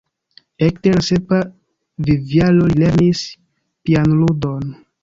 Ekde la sepa vivjaro li lernis pianludon.